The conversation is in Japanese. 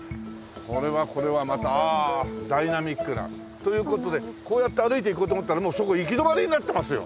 これはこれはまたああダイナミックな。という事でこうやって歩いていこうと思ったらもうそこ行き止まりになってますよ。